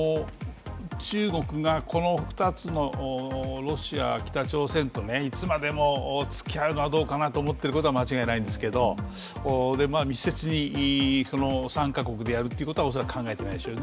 中国がこの２つのロシア、北朝鮮といつまでもつきあうのはどうかなと思っていることは間違いないんですけど、密接に３か国でやるということは恐らく考えていないでしょう。